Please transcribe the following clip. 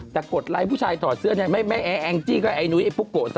แต่กดไลค์ผู้ชายถอดเสื้อแองจิก็ไอ้นุ้ยไอ้ปุ๊กโก